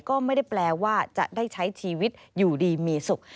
ก็ไม่ได้แปลว่าจะได้ใช้ชีวิตอยู่ดีมีสุข